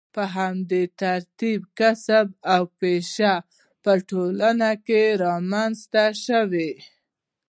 په همدې ترتیب کسب او پیشه په ټولنه کې رامنځته شوه.